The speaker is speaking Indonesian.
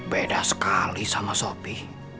beda sekali sama sopi